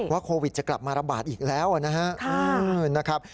โควิดจะกลับมาระบาดอีกแล้วนะครับ